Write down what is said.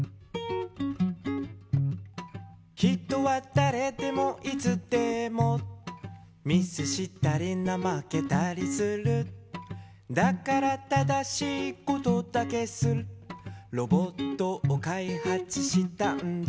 「人はだれでもいつでもミスしたりなまけたりする」「だから正しいことだけするロボットをかいはつしたんだ」